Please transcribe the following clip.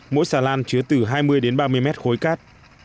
mỗi xà lan chứa từ hai mươi đến ba mươi mét khối cát